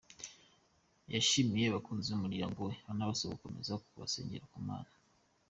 Yashimiye abakunzi b'umuryango we anabasaba gukomeza kubasengera ku Mana.